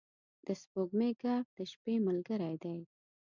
د سپوږمۍ ږغ د شپې ملګری دی.